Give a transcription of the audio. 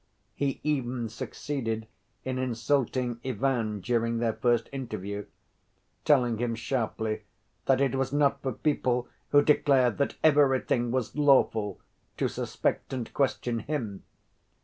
He even succeeded in insulting Ivan during their first interview, telling him sharply that it was not for people who declared that "everything was lawful," to suspect and question him.